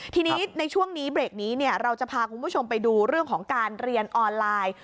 ทีนี้ในช่วงนี้เบรกนี้เราจะพาคุณผู้ชมไปดูเรื่องของการเรียนออนไลน์